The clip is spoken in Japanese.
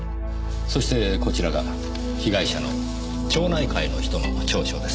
そしてこちらが被害者の町内会の人の調書です。